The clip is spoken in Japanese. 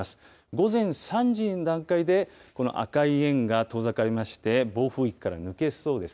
午前３時の段階で、この赤い円が遠ざかりまして、暴風域から抜けそうです。